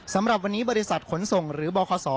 สำหรับวันนี้บริษัทขนส่งหรือบคศ